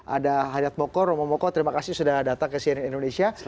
ada hayat moko romo moko terima kasih sudah datang ke cnn indonesia